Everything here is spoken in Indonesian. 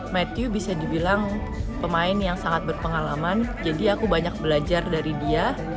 matthew bisa dibilang pemain yang sangat berpengalaman jadi aku banyak belajar dari dia